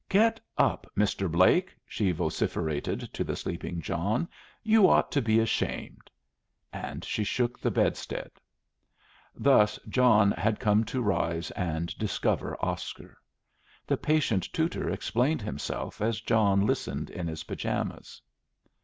"Get up Mr. Blake!" she vociferated to the sleeping John; "you ought to be ashamed!" And she shook the bedstead. Thus John had come to rise and discover Oscar. The patient tutor explained himself as John listened in his pyjamas.